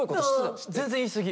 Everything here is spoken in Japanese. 全然言いすぎ。